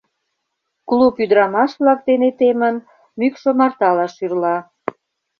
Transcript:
Клуб ӱдырамаш-влак дене темын, мӱкш омартала шӱрла.